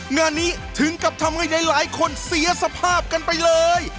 งานนี้ถึงกับทำให้หลายคนเสียสภาพกันไปเลย